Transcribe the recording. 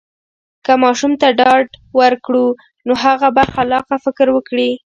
که ماشوم ته ډاډ ورکړو، نو هغه به خلاقه فکر ولري.